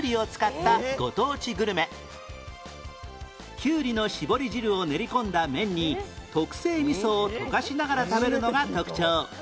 キュウリの絞り汁を練り込んだ麺に特製味噌を溶かしながら食べるのが特徴